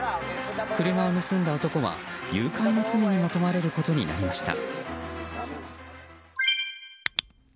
車を盗んだ男は誘拐の罪にも問われることになりました。